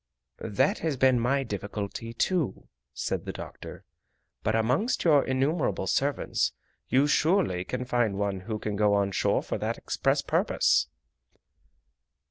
"That has been my difficulty too," said the doctor. "But amongst your innumerable servants you surely can find one who can go on shore for that express purpose!"